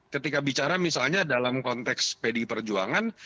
ketika bicara misalnya dalam konteks pdi perjuangan